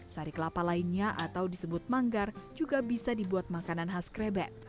sari kelapa lainnya atau disebut manggar juga bisa dibuat makanan khas krebet